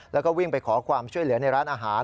แล้วก็วิ่งไปขอความช่วยเหลือในร้านอาหาร